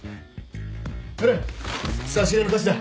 ほら差し入れの菓子だ。